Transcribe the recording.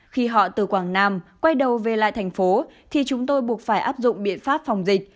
khi họ từ quảng nam quay đầu về lại thành phố thì chúng tôi buộc phải áp dụng biện pháp phòng dịch